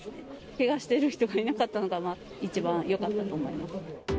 けがしてる人がいなかったのが、一番よかったと思います。